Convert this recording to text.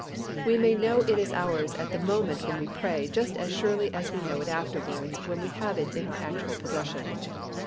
We may know it is ours at the moment when we pray just as surely as we know it afterwards when we have it in our actual possession.